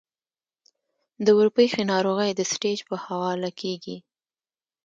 د ورپېښې ناروغۍ د سټېج پۀ حواله کيږي -